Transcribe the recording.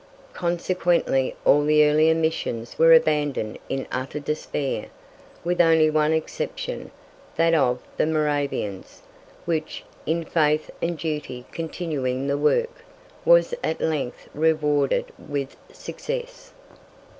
Consequently all the earlier missions were abandoned in utter despair, with only one exception, that of the Moravians, which, in faith and duty continuing the work, was at length rewarded with success.